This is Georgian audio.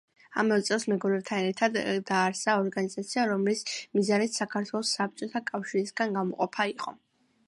ამავე წელს მეგობრებთან ერთად დააარსა ორგანიზაცია, რომლის მიზანიც საქართველოს საბჭოთა კავშირისგან გამოყოფა იყო.